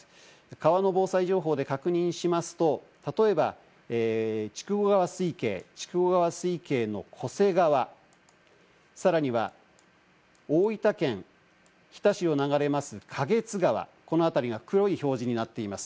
川の防災情報で確認しますと、例えば筑後川水系の巨瀬川、さらには大分県日田市を流れます花月川、この辺りが黒い表示になっています。